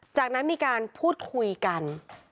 จากนั้นมีการพูดคุยกัน